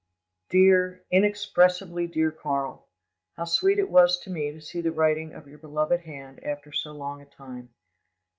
"DEAR, INEXPRESSIBLY DEAR KARL,—How Sweet it was to me to see the writing of your beloved hand after so long a time!